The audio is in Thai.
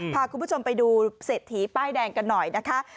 พาคุณผู้ชมไปดูเศรษฐีป้ายแดงกันหน่อยนะคะ